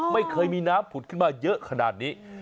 ไม่เคยมีน้ำผุดขึ้นมาเยอะขนาดนี้